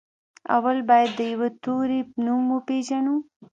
اول بايد د يوه توري نوم وپېژنو.